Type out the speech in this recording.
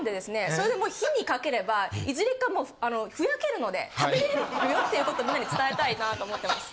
それでもう火にかければいずれかもうふやけるので食べれるよって事をみんなに伝えたいなと思ってます。